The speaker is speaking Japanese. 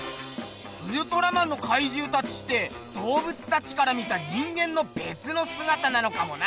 ウルトラマンのかいじゅうたちって動物たちから見た人間のべつのすがたなのかもな。